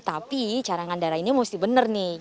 tapi cadangan darah ini mesti benar nih